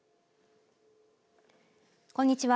こんにちは。